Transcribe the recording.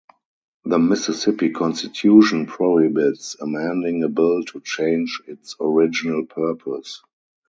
The Mississippi Constitution prohibits amending a bill to change its original purpose.